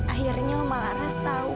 akhirnya bularas tau